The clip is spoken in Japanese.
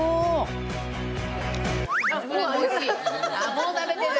もう食べてる。